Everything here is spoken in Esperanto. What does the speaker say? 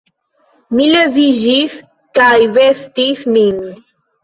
Mi leviĝis kaj vestis min.